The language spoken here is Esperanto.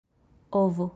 ovo